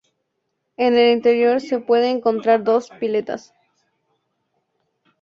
En el interior se pueden encontrar dos piletas.